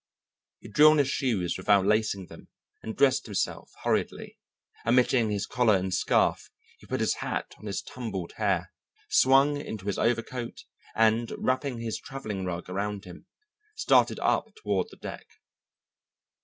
He drew on his shoes without lacing them, and dressed himself hurriedly, omitting his collar and scarf; he put his hat on his tumbled hair, swung into his overcoat, and, wrapping his travelling rug around him, started up toward the deck.